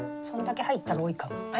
そんだけ入ったら多いかも。